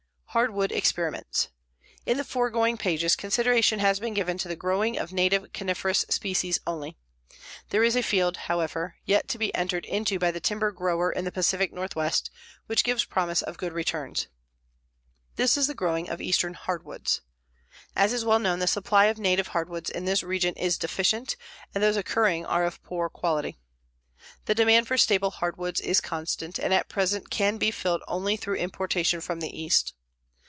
HARDWOOD EXPERIMENTS In the foregoing pages consideration has been given to the growing of native coniferous species only. There is a field, however, yet to be entered into by the timber grower in the Pacific Northwest, which gives promise of good returns. This is the growing of eastern hardwoods. As is well known, the supply of native hardwoods in this region is deficient and those occurring are of poor quality. The demand for staple hardwoods is constant, and at present can be filled only through importation from the East.